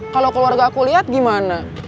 kalau keluarga aku lihat gimana